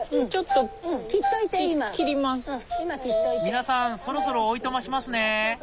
皆さんそろそろおいとましますね。